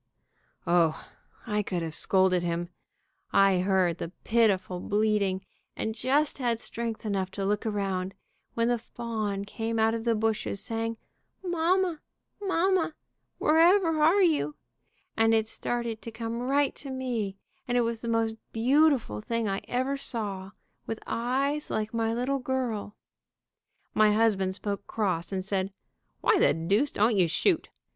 O, I could have scolded him. I heard the pitiful bleating, and just had strength enough to look around, when the fawn came out of the bushes, saying, 'Mamma! Mamma! Wherever are you?' and it started to come right to me, and it was the most beautiful thing I ever saw, with eyes like my little girl. My husband spoke cross, and said, 'Why the deuce don't you shoot?'